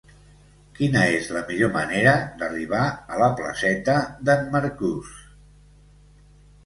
Quina és la millor manera d'arribar a la placeta d'en Marcús?